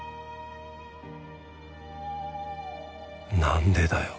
何でだよ